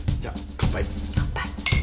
乾杯。